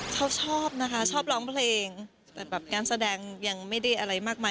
เขาชอบนะคะชอบร้องเพลงแต่แบบงานแสดงยังไม่ได้อะไรมากมาย